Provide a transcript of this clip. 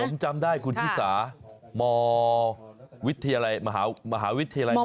ผมจำได้คุณฮิศามวิทยาลัยมหาวิทยาลัยมหาวิทยาลัยมา